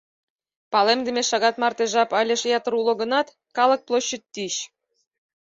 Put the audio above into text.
Палемдыме шагат марте жап але ятыр уло гынат, калык площадь тич.